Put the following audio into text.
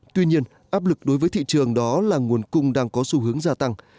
tuy nhiên áp lực đối với thị trường đó là nguồn cung đang có xu hướng gia tăng